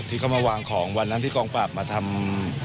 ที่เขามาวางของวันนั้นที่กองปราบมาทำ